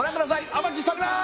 お待ちしておりまーす！